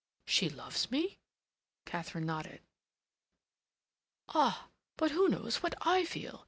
"She loves me?" Katharine nodded. "Ah, but who knows what I feel?